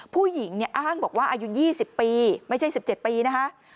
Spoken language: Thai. ผู้หญิงอ้างบอกว่าอายุ๒๐ปีไม่ใช่๑๗ปีนะคะ